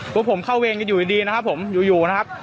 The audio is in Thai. พวกผมเข้าเวรกันอยู่ดีนะครับผมอยู่นะครับ